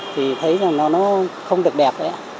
thì thấy là nó không được đẹp